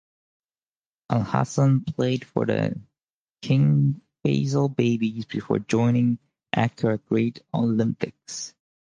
Alhassan played for then King Faisal Babies before joining Accra Great Olympics.